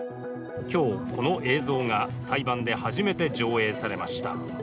今日、この映像が裁判で初めて上映されました。